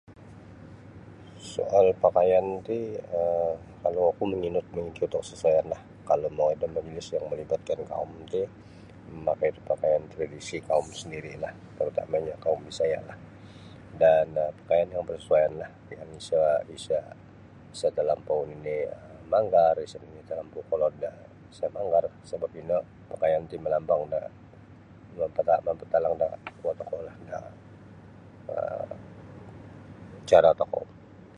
Soal pakaian ti um kalau oku manginut mangikut da kasasuaianlah kalau mongoi da majlis yang malibatkan kaum ti mamakai da pakaian tradisi kaum sendiri'lah terutamanyo kaum Bisaya'lah dan pakaian no barsasuaianlah yang sa' isa' isa' talampau nini' manggar isa' nini' talampau kolod isa' manggar sabap ino pakaian ti malambang da mapatalang da kuo tokoulah da um cara tokou.